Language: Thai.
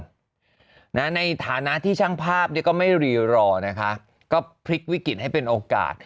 ชีวิตของเราทั้ง๒คนในฐานะที่ช่างภาพเนี่ยก็ไม่รีรอนะคะก็พลิกวิกฤตให้เป็นโอกาส